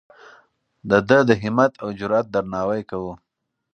د ده د همت او جرئت درناوی کوو.